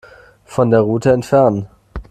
Von der Route entfernen.